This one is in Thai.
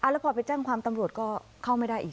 แล้วพอไปแจ้งความตำรวจก็เข้าไม่ได้อีก